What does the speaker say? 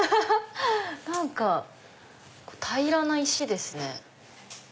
何か平らな石ですね。